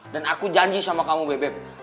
dan aku janji sama kamu bebe